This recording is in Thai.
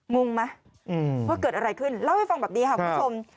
มุ่งมั้ยกว่าเกิดอะไรขึ้นเล่าให้ฟังแบบนี้ครับคุณผู้ชม